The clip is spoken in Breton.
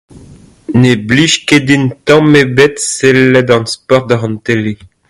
Ne blij ket din tamm ebet sellet ar sport d'ar an tele.